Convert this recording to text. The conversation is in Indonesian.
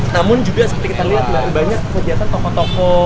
namun juga seperti kita lihat banyak kegiatan toko toko